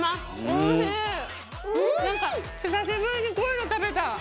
なんか久しぶりにこういうの食べた。